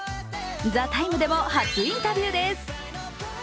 「ＴＨＥＴＩＭＥ，」でも初インタビューです。